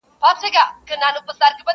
خلاصې پرېږدي بې ځوابه